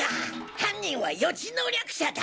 犯人は予知能力者だ！